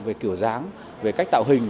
về kiểu dáng về cách tạo hình